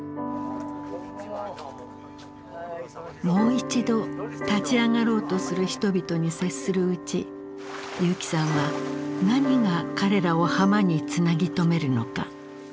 もう一度立ち上がろうとする人々に接するうち結城さんは何が彼らを浜につなぎ止めるのか